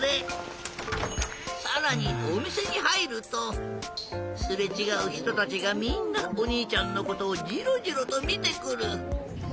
さらにおみせにはいるとすれちがうひとたちがみんなおにいちゃんのことをジロジロとみてくる！